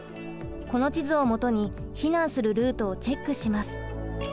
この地図をもとに避難するルートをチェックします。